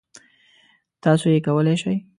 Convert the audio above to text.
تاسو یې کولای شی.